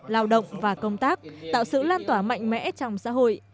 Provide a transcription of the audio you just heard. lao động và công tác tạo sự lan tỏa mạnh mẽ trong xã hội